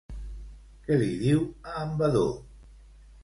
Que li diu a en Vadó?